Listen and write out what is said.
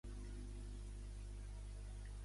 Signorina, puc entrar?